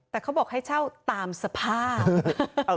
แต่เขาบอกให้เช่าตามสภาพ